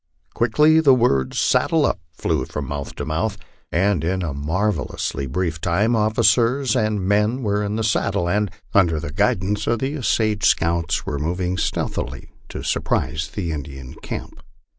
Quickly the words " Saddle up " flew from mouth to mouth, and in a mar vellously brief time officers and men were in the saddle and, under the guid ance of the Osage scouts, were moving stealthily to surprise the Indian camp.